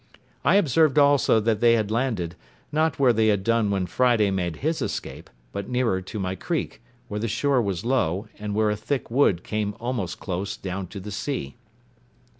I observed also that they had landed, not where they had done when Friday made his escape, but nearer to my creek, where the shore was low, and where a thick wood came almost close down to the sea.